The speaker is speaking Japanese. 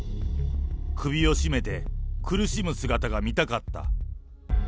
首を絞めて、苦しむ姿が見たかった。